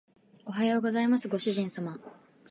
おはようございますご主人様